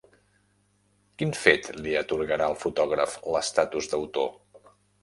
Quin fet li atorgarà al fotògraf l'estatus d'autor?